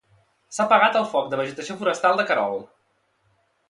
S'ha apagat el foc de vegetació forestal de Querol.